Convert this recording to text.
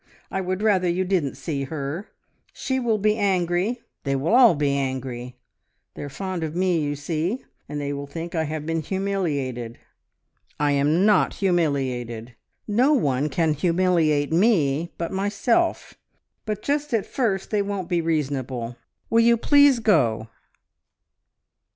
I would rather you didn't see her. She will be angry; they will all be angry. They are fond of me, you see; and they will think I have been humiliated. I am not humiliated! No one can humiliate me but myself; but just at first they won't be reasonable. ... Will you please go?"